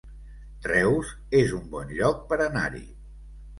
Reus es un bon lloc per anar-hi